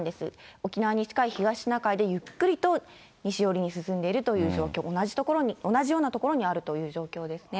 沖縄に近い東シナ海で、ゆっくりと西寄りに進んでいるという状況、同じ所に、同じような所にあるという状況ですね。